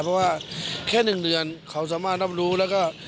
เพราะว่าแค่๑เดือนเขาสามารถนำรู้รายละกล้า